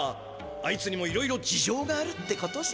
あいつにもいろいろじじょうがあるってことさ。